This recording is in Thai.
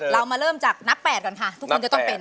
เรามาเริ่มจากนับ๘ก่อนค่ะทุกคนจะต้องเป็น